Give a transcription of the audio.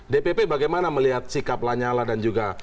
dpp bagaimana melihat sikap lanyala dan juga